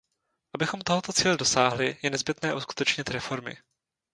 Abychom tohoto cíle dosáhli, je nezbytné uskutečnit reformy.